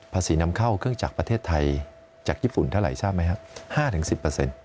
นำเข้าเครื่องจักรประเทศไทยจากญี่ปุ่นเท่าไหร่ทราบไหมครับ๕๑๐